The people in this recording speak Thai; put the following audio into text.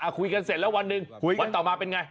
คุยกันเสร็จแล้ววันหนึ่งวันต่อมาเป็นไง